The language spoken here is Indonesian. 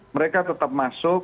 mereka tetap masuk